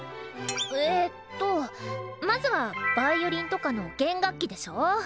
えとまずはヴァイオリンとかの弦楽器でしょ。